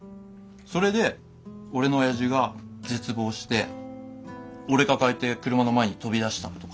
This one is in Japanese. それで俺の親父が絶望して俺抱えて車の前に飛び出したとか。